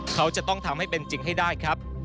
เขาจะต้องทำให้เป็นจริงให้ได้ครับ